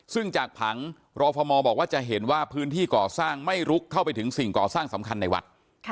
ซึ่งจากผังรอฟมบอกว่าจะเห็นว่าพื้นที่ก่อสร้างไม่ลุกเข้าไปถึงสิ่งก่อสร้างสำคัญในวัด